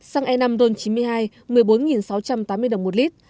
xăng e năm ron chín mươi hai một mươi bốn sáu trăm tám mươi đồng một lít